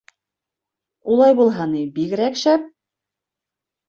Улай булһа ни, бигерәк шәп!